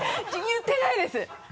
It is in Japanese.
言ってないですよ。